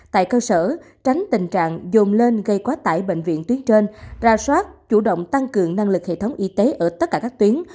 tại bệnh viện tuyến trên ra soát chủ động tăng cường năng lực hệ thống y tế ở tất cả các tuyến